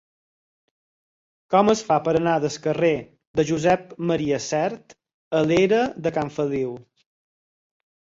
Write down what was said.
Com es fa per anar del carrer de Josep M. Sert a la era de Cal Feliu?